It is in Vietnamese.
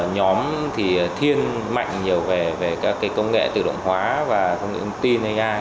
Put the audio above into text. nhóm thiên mạnh nhiều về các công nghệ tự động hóa và công nghệ ứng tin ai